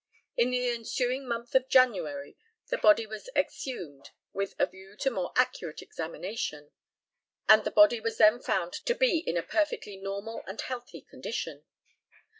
In the ensuing month of January the body was exhumed with a view to more accurate examination, and the body was then found to be in a perfectly normal and healthy condition.